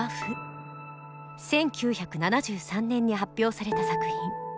１９７３年に発表された作品。